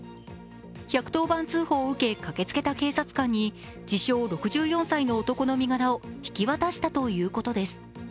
１１０番通報を受け、駆けつけた警察官に自称・６４歳の男の身柄を引き渡したということです。